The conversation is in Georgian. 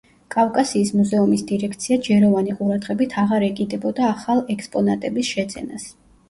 კავკასიის მუზეუმის დირექცია ჯეროვანი ყურადღებით აღარ ეკიდებოდა ახალ ექსპონატების შეძენას.